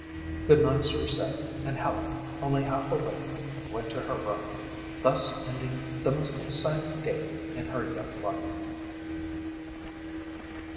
Goodnights were said and Helen, only half awake, went to her room, thus ending the most exciting day in her young life.